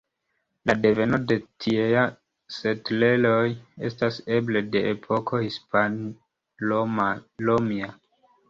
La deveno de tiea setlejoj estas eble de epoko hispan-romia.